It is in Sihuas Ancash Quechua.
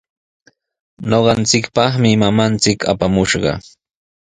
Ñuqanchikpaqmi mamanchik apamushqa.